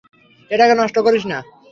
এটাকে নষ্ট করিস না।